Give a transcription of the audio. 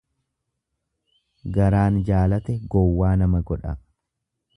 Garaan jaalate gowwaa nama godha.